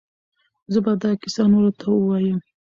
زه به دا کیسه نورو ته ووایم.